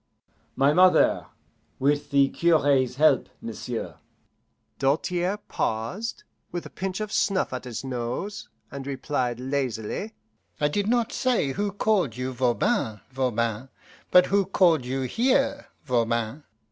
"My mother, with the cure's help, m'sieu'." Doltaire paused, with a pinch of snuff at his nose, and replied lazily, "I did not say 'Who called you VOBAN?' Voban, but who called you here, Voban?"